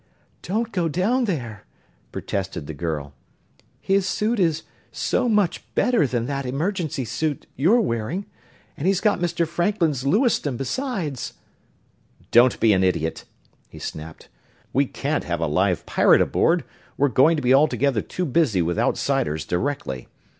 "Don't go down there!" protested the girl. "His armor is so much better than that emergency suit you are wearing, and he's got Mr. Franklin's Lewiston, besides!" "Don't be an idiot!" he snapped. "We can't have a live pirate aboard we're going to be altogether too busy with outsiders directly.